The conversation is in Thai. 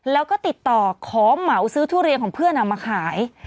แล้วก็ติดต่อขอเหมาซื้อทุเรียนของเพื่อนเอามาขาย